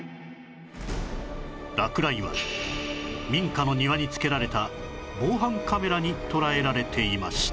落雷は民家の庭に付けられた防犯カメラに捉えられていました